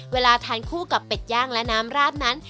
เวลาทานคู่กับเป็ดย่างและน้ำราดนั้น